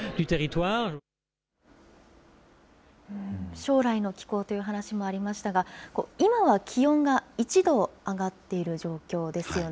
将来の気候という話もありましたが、今は気温が１度上がっている状況ですよね。